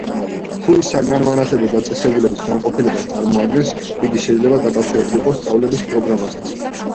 თუ ის საგანმანათლებლო დაწესებულების განყოფილებას წარმოადგენს, იგი შეიძლება დაკავშირებული იყოს სწავლების პროგრამასთან.